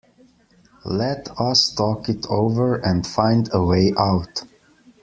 Let us talk it over and find a way out.